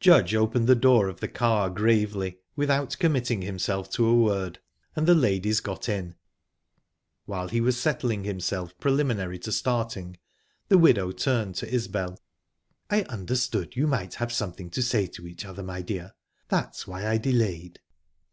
Judge opened the door of the car gravely, without committing himself to a word, and the ladies got in. While he was settling himself preliminary to starting, the widow turned to Isbel. "I understood you might have something to say to each other, my dear; that's why I delayed."